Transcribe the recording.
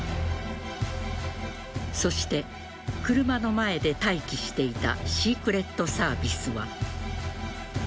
そして車の前で待機していたシークレットサービスは。